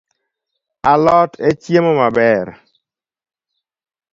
Alot en chiemo maber